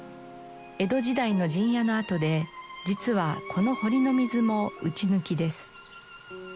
江戸時代の陣屋の跡で実はこの濠の水もうちぬきです。